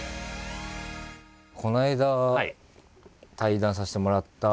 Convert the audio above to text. この間対談させてもらった